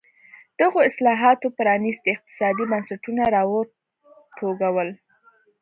دغو اصلاحاتو پرانېستي اقتصادي بنسټونه را وټوکول.